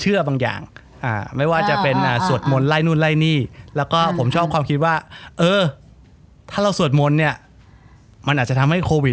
ซึ่งมันไม่จริงหลอกผมไม่เชื่อหรอก